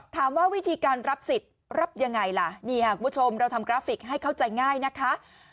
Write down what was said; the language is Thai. ถามว่าวิธีการรับสิทธิ์รับยังไงล่ะนี่ค่ะคุณผู้ชมเราทำกราฟิกให้เข้าใจง่ายนะคะ